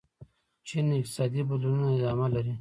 چین اقتصادي بدلونونه ادامه لري.